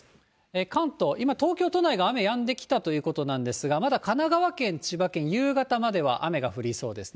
関東、今、東京都内が雨やんできたということなんですが、まだ神奈川県、千葉県、夕方までは雨が降りそうですね。